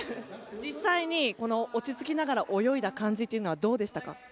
実際に落ち着きながら泳いだ感じというのはどうでしたか？